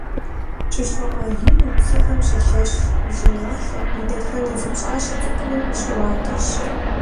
КӀыщокъуэ Алим и усэхэм щылъэщщ и щӀыналъэр, и дэтхэнэ зы пщӀащэ цӀыкӀури щыуардэщ.